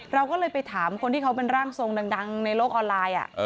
เราก็เลยไปถามคนที่เขาเป็นร่างทรงดังในโลกออนไลน์